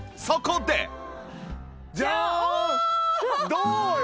どうよ？